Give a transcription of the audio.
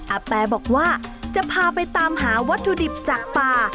อาแปบอกว่าจะพาไปตามหาวัตถุดิบจากป่า